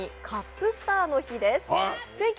カップスターの日です。